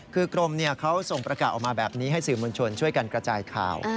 คือกรมเขาส่งประกาศออกมาแบบนี้ให้สื่อมวลชนช่วยกันกระจายข่าว